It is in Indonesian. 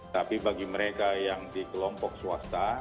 tapi bagi mereka yang dikelompok swasta